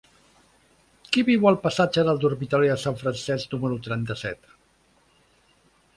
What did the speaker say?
Qui viu al passatge del Dormitori de Sant Francesc número trenta-set?